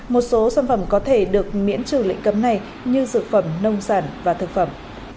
một số sản phẩm có thể được miễn trừ lệnh cấm này như dược phẩm nông sản và thực phẩm